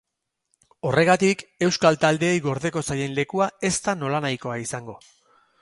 Horregatik, euskal taldeei gordeko zaien lekua ez da nolanahikoa izango.